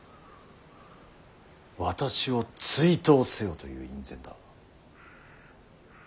私を追討せよという院宣だ。